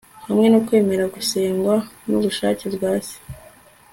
hamwe no kwemera kugengwa nubushake bwa Se